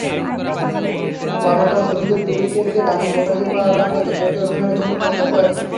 করণ তাঁর ছবিতে টুইঙ্কেলকে রানি মুখার্জির করা চরিত্রটি অভিনয়ের জন্য প্রস্তাব করেন।